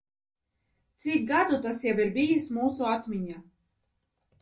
Cik gadu tas jau ir bijis mūsu atmiņā?